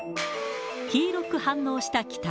黄色く反応した気体。